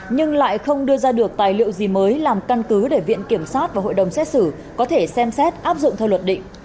nhưng lại không đưa ra được tài liệu gì mới làm căn cứ để viện kiểm sát và hội đồng xét xử có thể xem xét áp dụng theo luật định